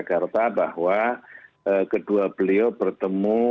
jakarta bahwa kedua beliau bertemu